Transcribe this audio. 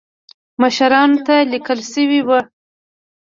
مشرانو ته لیکل شوي وو.